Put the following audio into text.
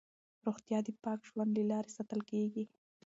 روغتیا د پاک ژوند له لارې ساتل کېږي.